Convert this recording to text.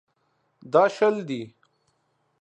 دا شل دي.